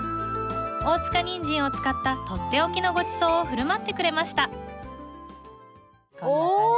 大塚にんじんを使った取って置きのごちそうを振る舞ってくれましたお！